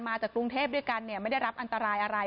มาจากกรุงเทพด้วยกันไม่ได้รับอันตรายอะไร